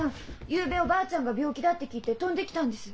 ゆうべおばあちゃんが病気だって聞いて飛んできたんです。